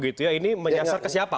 ini menyasar ke siapa